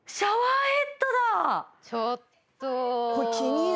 ちょっと。